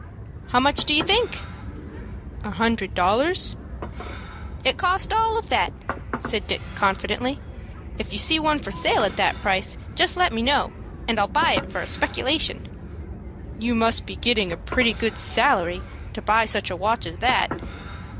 "How much do you think?" "A hundred dollars?" "It cost all of that," said Dick, confidently. "If you see one for sale at that price, just let me know, and I'll buy it for a speculation." "You must be getting a pretty good salary to buy such a watch as that."